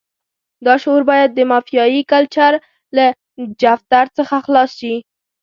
دا شعور باید د مافیایي کلچر له جفتر څخه خلاص شي.